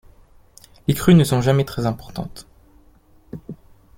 Les crues ne sont jamais très importantes.